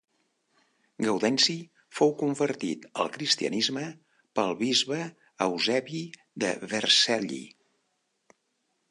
Gaudenci fou convertit al cristianisme pel bisbe Eusebi de Vercelli.